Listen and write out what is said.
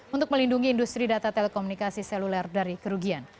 untuk melindungi industri data telekomunikasi seluler dari kerugian